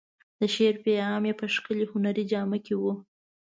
د شعر پیغام یې په ښکلې هنري جامه کې و.